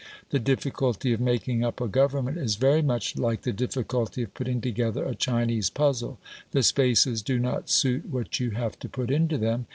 The difficulty of making up a Government is very much like the difficulty of putting together a Chinese puzzle: the spaces do not suit what you have to put into them.